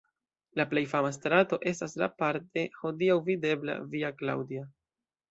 La plej fama strato estas la parte hodiaŭ videbla Via Claudia.